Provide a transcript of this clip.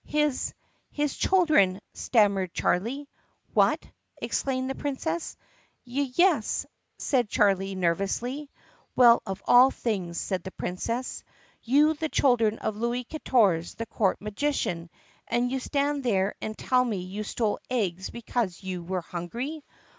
"His — his children," stammered Charlie. "What!" exclaimed the Princess. "Y yes," said Charlie nervously. "Well, of all things!" said the Princess. "You the children of Louis Katorze, the court magician, and you stand there and tell me you stole eggs because you were hungry!